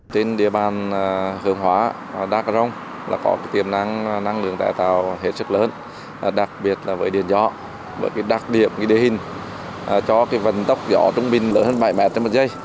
trên địa bàn hướng hóa đa cà rông là có tiềm năng năng lượng tái tạo hết sức lớn đặc biệt là với điện gió với đặc điểm đề hình cho vận tốc gió trung bình lớn hơn bảy m trong một giây